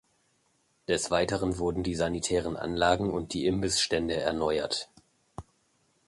Des Weiteren wurden die sanitären Anlagen und die Imbissstände erneuert.